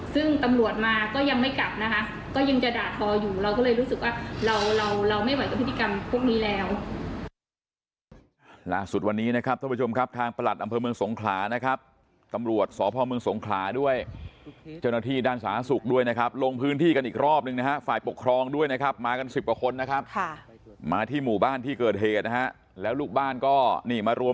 ซึ่งตำรวจมาก็ยังไม่กลับนะคะก็ยังจะด่าทออยู่เราก็เลยรู้สึกว่าเราเราไม่ไหวกับพฤติกรรมพวกนี้แล้ว